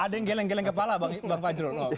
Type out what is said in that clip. ada yang geleng geleng kepala bang fajrul